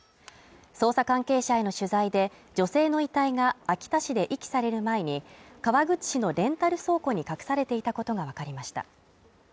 捜査関係者への取材で女性の遺体が秋田市で遺棄される前に、川口市のレンタル倉庫に隠されていたことがわかりました。